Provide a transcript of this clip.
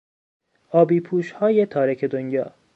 آبیپوشهای تارک دنیا